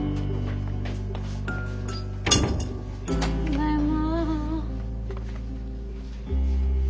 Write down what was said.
ただいま。